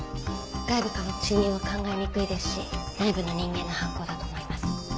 外部からの侵入は考えにくいですし内部の人間の犯行だと思います。